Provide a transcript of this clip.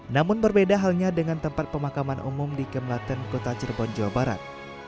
namun berbeda halnya dengan tempat pemakaman umum di kemlaten kota cirebon jawa barat